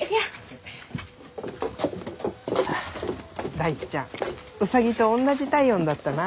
大ちゃんウサギとおんなじ体温だったな。